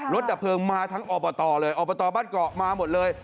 รถดับเพลิงมาทั้งออปะตอเลยออปะตอบ้านเกาะมาหมดเลย